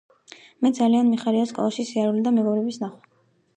მე ძალიან მიხარია სკოლაში სიარული და მეგობრების ნახვა